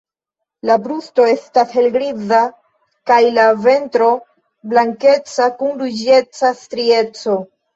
La brusto estas helgriza, kaj la ventro blankeca kun ruĝeca strieco.